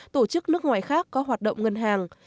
tổ chức nước ngoài khác có hoạt động ngân hàng